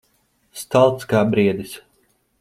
Stalts kā briedis.